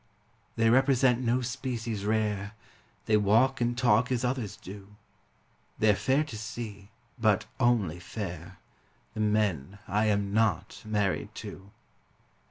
They represent no species rare, They walk and talk as others do; They're fair to see but only fair The men I am not married to.